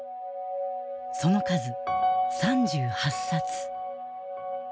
その数３８冊。